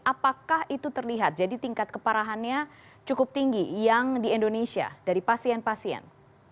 apakah itu terlihat jadi tingkat keparahannya cukup tinggi yang di indonesia dari pasien pasien